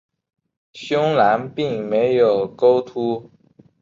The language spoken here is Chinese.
胸篮并没有钩突。